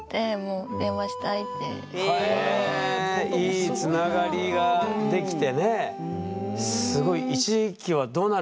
いいつながりができてね。